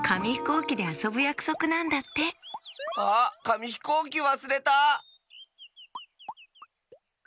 うきであそぶやくそくなんだってあっかみひこうきわすれた！